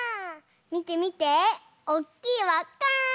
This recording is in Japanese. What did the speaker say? みてみておっきいわっか！